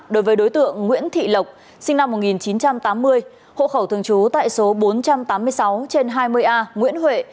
đối với đối tượng nguyễn thị lộc sinh năm một nghìn chín trăm tám mươi hộ khẩu thường trú tại số bốn trăm tám mươi sáu trên hai mươi a nguyễn huệ